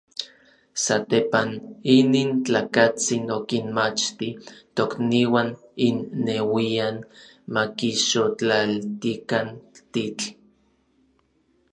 Satepan, inin tlakatsin okinmachti tokniuan inneuian makixotlaltikan titl.